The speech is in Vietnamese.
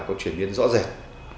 có chuyển biến rõ rệt